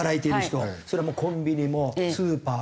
それはもうコンビニもスーパーもホテルも。